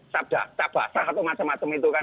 sabdaqabasa atau macam macam itu kan